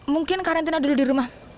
mungkin karantina dulu di rumah